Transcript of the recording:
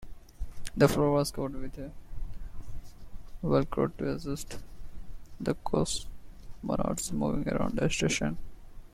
The floor was covered with Velcro to assist the cosmonauts moving around the station.